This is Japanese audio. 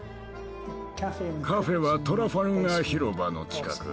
カフェはトラファルガー広場の近く